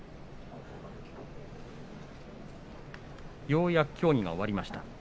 ようやく協議が終わりました。